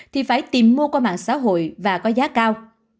thì phải tìm mua qua mạng xã hội và có giá cao